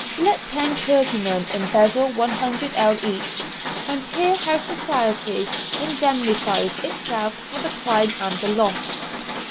Let ten clergymen embezzle 100_l._ each, and hear how society indemnifies itself for the crime and the loss!